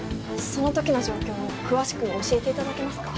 そのときの状況を詳しく教えていただけますか？